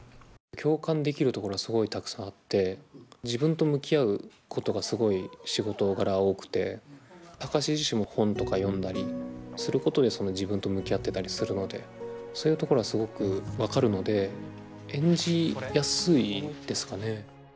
共感できるところがすごいたくさんあって自分と向き合うことがすごい仕事柄多くて貴司自身も本とか読んだりすることで自分と向き合ってたりするのでそういうところはすごく分かるので演じやすいですかね。